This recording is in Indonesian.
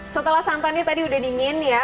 setelah santannya tadi udah dingin ya